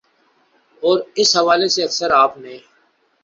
اور اس حوالے سے اکثر آپ نے